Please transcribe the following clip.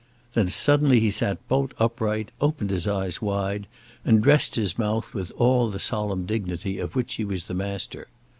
Then suddenly he sat bolt upright, opened his eyes wide, and dressed his mouth with all the solemn dignity of which he was the master.